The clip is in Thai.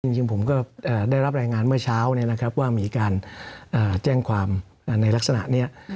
จริงผมก็ได้รับรายงานเมื่อเช้าเนี่ยนะครับว่ามีการแจ้งความในลักษณะเนี่ย